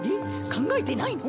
考えてないの？